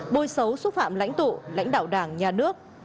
bôi xấu xúc phạm lãnh tụ lãnh đạo đảng nhà nước